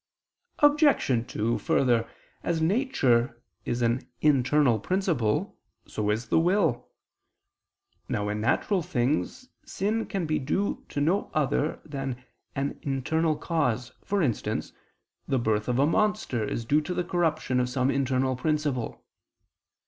Obj. 2: Further, as nature is an internal principle, so is the will. Now in natural things sin can be due to no other than an internal cause; for instance, the birth of a monster is due to the corruption of some internal principle.